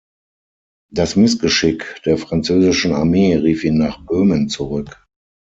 Das Missgeschick der französischen Armee rief ihn nach Böhmen zurück.